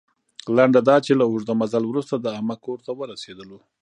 لنډه دا چې، له اوږده مزل وروسته د عمه کور ته ورسېدو.